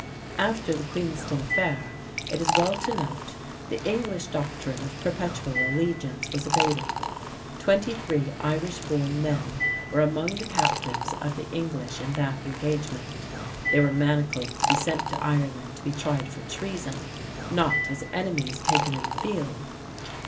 After the Queenston affair, it is well to note, the English doctrine of perpetual allegiance was abated. Twenty three Irish born men were among the captives of the English in that engagement. They were manacled to be sent to Ireland to be tried for treason, not as enemies taken in the field.